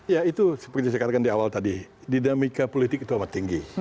ya itu seperti saya katakan di awal tadi dinamika politik itu amat tinggi